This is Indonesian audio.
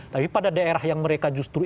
tapi pada daerah yang mereka justru